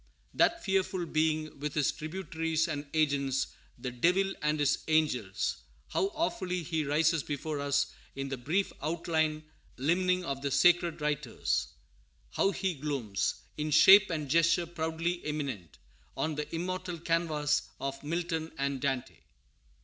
That fearful being with his tributaries and agents, "the Devil and his angels," how awfully he rises before us in the brief outline limning of the sacred writers! How he glooms, "in shape and gesture proudly eminent," on the immortal canvas of Milton and Dante!